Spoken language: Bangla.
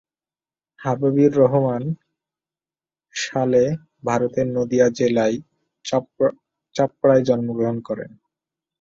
হাবিবুর রহমান সালে ভারতের নদিয়া জেলার চাপড়ায় জন্মগ্রহণ করেন।